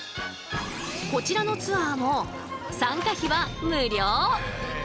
こちらのツアーも参加費は無料。